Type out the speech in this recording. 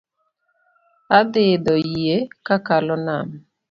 Adhi idho yie ka akalo nam